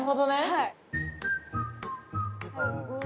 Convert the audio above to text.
はい。